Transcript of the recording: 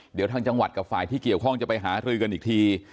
เดี๋ยวทางจังหวัดกับฝ่ายที่เกี่ยวข้องจะไปหารือกันอีกที